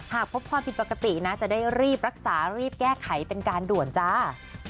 หากพบความผิดปกตินะจะได้รีบรักษารีบแก้ไขเป็นการด่วนจ้า